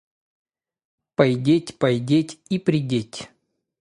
Пойдеть, пойдеть и придеть.